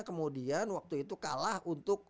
kemudian waktu itu kalah untuk